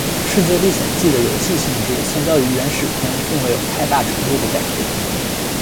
世界历险记的游戏性质相较于原始片并未有太大程度的改变。